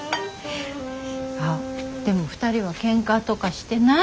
あでも２人はケンカとかしてない？